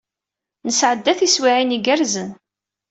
Nesɛedda tiswiɛin igerrzen.